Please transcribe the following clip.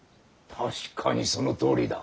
確かにそのとおりだ。